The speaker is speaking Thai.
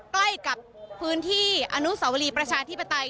ใกล้กับพื้นที่อนุสาวรีประชาธิปไตย